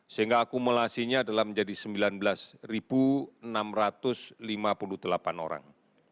sehingga akumulasinya adalah menjadi sembilan belas enam ratus lima puluh delapan orang